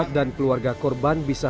tapi kami percaya